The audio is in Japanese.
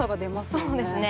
そうですね。